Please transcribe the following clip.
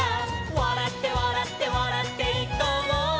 「わらってわらってわらっていこうよ」